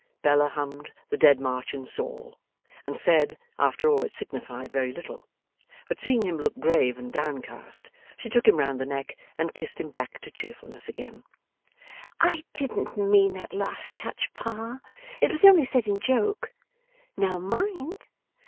Bella hummed the Dead March in Saul, and said, after all it signified very little! But seeing him look grave and downcast, she took him round the neck and kissed him back to cheerfulness again. 'I didn't mean that last touch, Pa; it was only said in joke. Now mind!